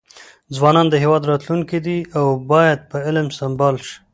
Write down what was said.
ځوانان د هیواد راتلونکي دي او باید په علم سمبال شي.